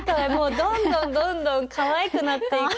どんどんどんどんかわいくなっていく。